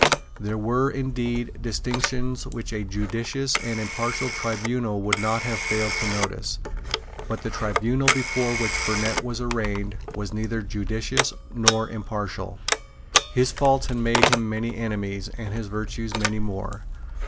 There were indeed distinctions which a judicious and impartial tribunal would not have failed to notice. But the tribunal before which Burnet was arraigned was neither judicious nor impartial. His faults had made him many enemies, and his virtues many more.